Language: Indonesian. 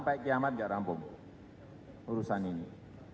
baik kiamat enggak rampung urusan ini